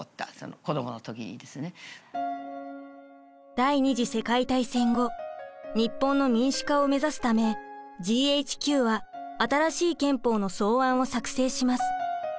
第２次世界大戦後日本の民主化を目指すためＧＨＱは新しい憲法の草案を作成します。